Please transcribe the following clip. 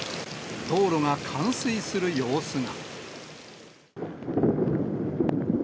道路が冠水する様子が。